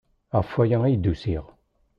Ɣef waya ay d-usiɣ.